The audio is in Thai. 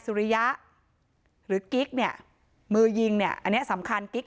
สุริยะหรือกิ๊กเนี่ยมือยิงเนี่ยอันเนี้ยสำคัญกิ๊ก